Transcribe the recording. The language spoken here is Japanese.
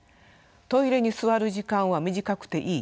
トイレに座る時間は短くていい。